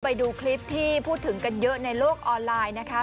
ไปดูคลิปที่พูดถึงกันเยอะในโลกออนไลน์นะคะ